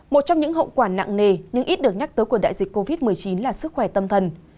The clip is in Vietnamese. một trong những hậu quả nặng nề nhưng ít được nhắc tới của đại dịch covid một mươi chín là sức khỏe tâm thần